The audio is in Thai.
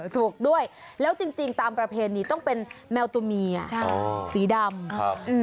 ถูกด้วยแล้วจริงตามประเพณีต้องเป็นแมวตัวเมียใช่สีดำครับ